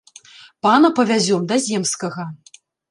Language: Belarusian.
Пана павязём да земскага.